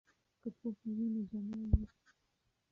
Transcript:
که پوهه وي نو جمال وي.